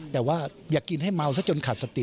แต่ว่าอยากกินให้เมาซะจนขาดสติ